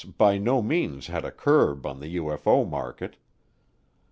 by no means had a curb on the UFO market.